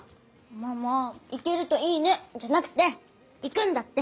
ママ行けるといいねじゃなくて行くんだって。